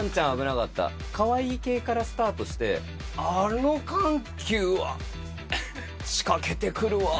かわいい系からスタートして、あの緩急は、仕掛けてくるわー。